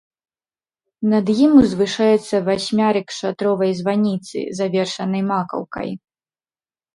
Над ім узвышаецца васьмярык шатровай званіцы, завершанай макаўкай.